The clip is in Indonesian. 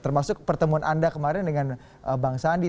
termasuk pertemuan anda kemarin dengan bang sandi